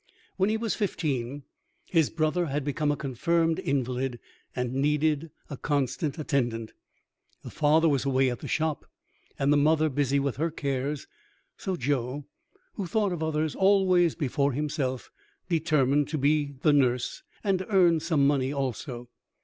When he was fifteen, his brother had become a confirmed invalid, and needed a constant attendant. The father was away at the shop, and the mother busy with her cares: so Joe, who thought of others always before himself, determined to be nurse, and earn some money also.